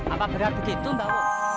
apa berarti begitu mbah